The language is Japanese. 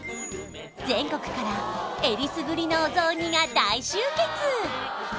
全国からえりすぐりのお雑煮が大集結！